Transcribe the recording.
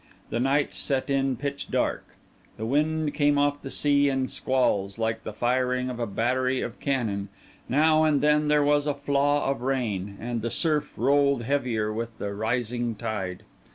The night set in pitch dark. The wind came off the sea in squalls, like the firing of a battery of cannon; now and then there was a flaw of rain, and the surf rolled heavier with the rising tide.